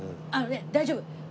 「あのね大丈夫！」